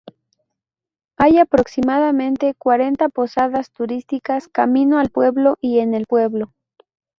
Hay aproximadamente cuarenta posadas turísticas camino al pueblo y en el pueblo.